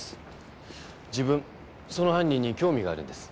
自分その犯人に興味があるんです。